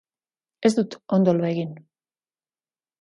Ez dut ondo lo egin